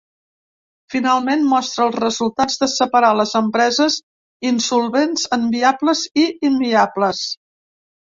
Finalment, mostra els resultats de separar les empreses insolvents en viables i inviables.